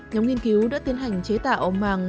nhóm nghiên cứu đã tiến hành chế tạo màng